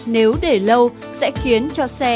nếu để lâu sẽ khiến cho xe